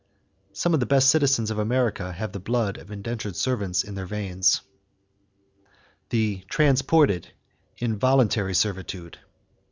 Some of the best citizens of America have the blood of indentured servants in their veins. =The Transported Involuntary Servitude.